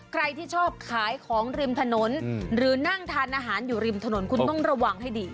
ใครที่ชอบขายของริมถนนหรือนั่งทานอาหารอยู่ริมถนนคุณต้องระวังให้ดี